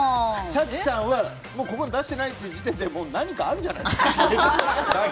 早紀さんはここに出していない時点で何かあるじゃないですか。